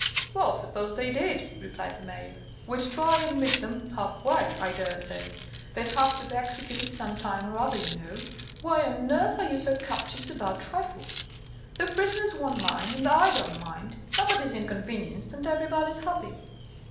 "Well, suppose they did," replied the Mayor, "we'd try and meet them half way, I daresay. They'd have to be executed some time or other, you know. Why on earth are you so captious about trifles? The prisoners won't mind, and I don't mind: nobody's inconvenienced, and everybody's happy!"